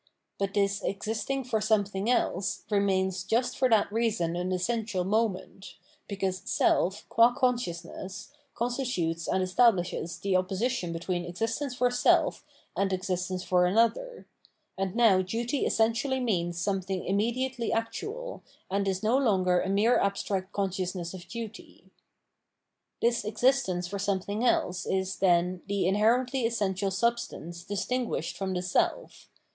But this existing for something else remains just for that reason an essential moment, because self, qua consciousness, constitutes and establishes the opposition between existence for self and existence for anotber ; and now duty essentially means some thing immediately actual, and is no longer a mere abstract consciousness of duty. This existence for something else is, then, the in herently essential substance distinguished from the self.